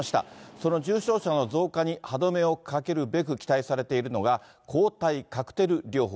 その重症者の増加に歯止めをかけるべく期待されているのが、抗体カクテル療法。